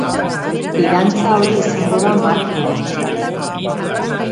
Fidantza hori izango da marjina.